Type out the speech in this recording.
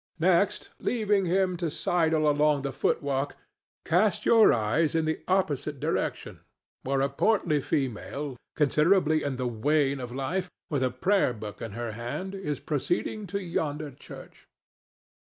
Next, leaving him to sidle along the footwalk, cast your eyes in the opposite direction, where a portly female considerably in the wane of life, with a prayer book in her hand, is proceeding to yonder church.